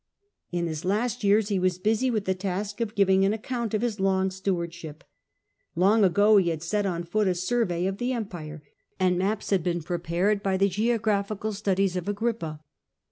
In his last years he was busy with the task of giving an account of his long stewardship. Long ago he had set on foot a survey of the Empire, and maps had iiis survey been prepared by the geographical studies of Agrippa.